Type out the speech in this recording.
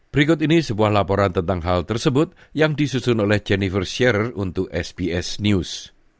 berikut ini sebuah laporan tentang hal tersebut yang disusun oleh jennifer share untuk sbs news